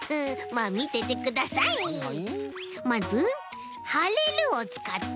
まず「はれる」をつかって。